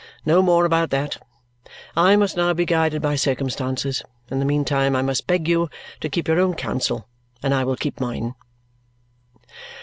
No more about that. I must now be guided by circumstances. In the meanwhile I must beg you to keep your own counsel, and I will keep mine."